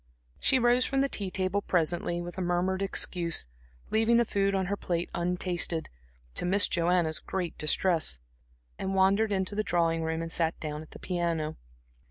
She rose from the tea table presently, with a murmured excuse, leaving the food on her plate untasted, to Miss Joanna's great distress, and wandered into the drawing room and sat down at the piano.